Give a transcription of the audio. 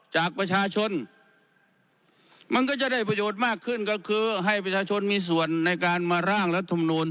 จากประชาชนมันก็จะได้ประโยชน์มากขึ้นก็คือให้ประชาชนมีส่วนในการมาร่างรัฐมนูล